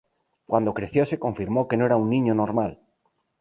Cuando creció se confirmó que no era un niño normal.